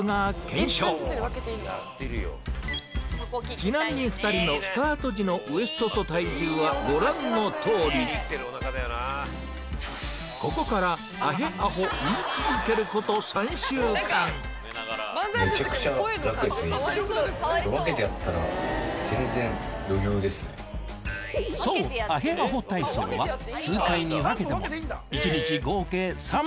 ちなみに２人のスタート時のウエストと体重はご覧のとおりここからあへあほ言い続けること３週間そうあへあほ体操はな